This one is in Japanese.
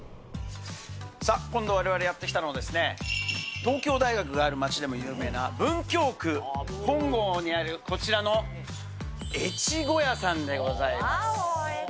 さあ、今度われわれやって来たのはですね、東京大学がある町でも有名な文京区本郷にある、こちらの、ゑちごやさんでございます。